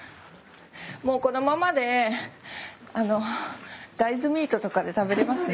もうこのままで大豆ミートとかで食べれますね。